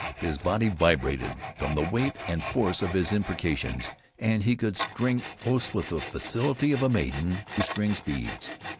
His body vibrated from the weight and force of his imprecations. And he could string oaths with the facility of a maiden who strings beads.